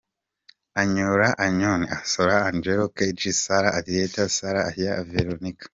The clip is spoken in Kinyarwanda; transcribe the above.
Anyola Anyon Asola Angelo Keji Sarah Aliet Sarah Ayak Veronica.